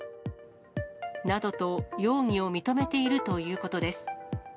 などと、容疑を認めているということです。